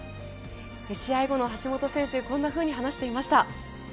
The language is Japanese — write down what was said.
試合後の橋本選手こんなふうに話していました。